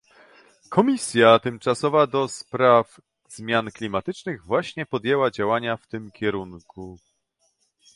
Komisja tymczasowa do spraw zmian klimatycznych właśnie podjęła działania w tym kierunku